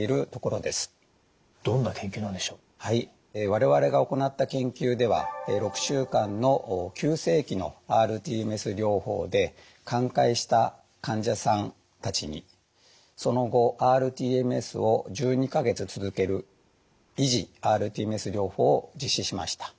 我々が行った研究では６週間の急性期のｒＴＭＳ療法で寛解した患者さんたちにその後ｒＴＭＳを１２か月続ける維持ｒＴＭＳ療法を実施しました。